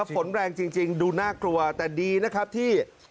ฝนแรงจริงดูน่ากลัวแต่ดีนะครับที่